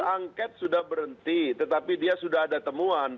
angket sudah berhenti tetapi dia sudah ada temuan